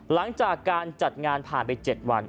หลังจากการจัดงานผ่านไป๗วัน